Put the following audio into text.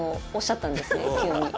急に。